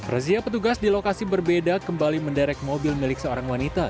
razia petugas di lokasi berbeda kembali menderek mobil milik seorang wanita